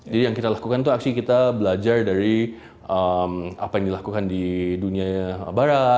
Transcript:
jadi yang kita lakukan itu kita belajar dari apa yang dilakukan di dunia barat